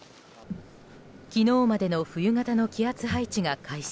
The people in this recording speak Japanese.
昨日までの冬型の気圧配置が解消。